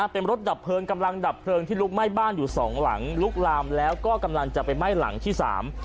เป็นรถดับเพลิงกำลังดับเพลิงที่ลุกไหม้บ้านอยู่สองหลังลุกลามแล้วก็กำลังจะไปไหม้หลังที่สาม